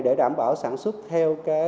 để đảm bảo sản xuất theo